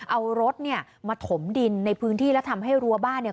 เอารถเนี่ยมาถมดินในพื้นที่แล้วทำให้รั้วบ้านเนี่ย